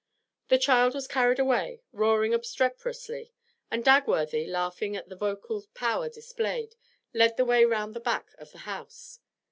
The child was carried away, roaring obstreperously, and Dagworthy, laughing at the vocal power displayed, led the way round to the back of the house.